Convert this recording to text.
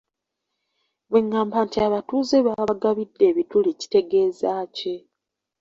Bweŋŋamba nti abatuuze baabagabidde ebituli kitegeza ki?